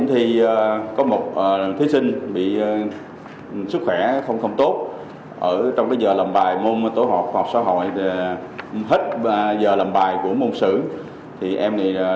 thì không có thi sinh nào vi phạm